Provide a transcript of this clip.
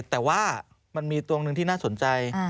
แต่ว่ามันมีตัวหนึ่งที่น่าสนใจ